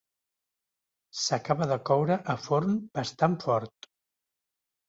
S'acaba de coure a forn bastant fort.